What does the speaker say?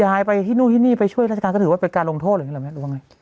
ยายไปที่นู่ที่นี่ไปช่วยรัชกาถือว่าเป็นการลงโทษหรืออะไรหรือว่าไง